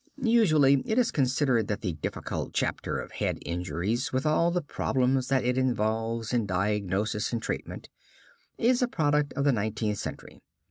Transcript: Usually it is considered that the difficult chapter of head injuries, with all the problems that it involves in diagnosis and treatment, is a product of the Nineteenth Century.